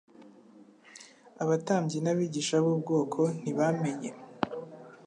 Abatambyi n'abigisha b'ubwoko ntibamenye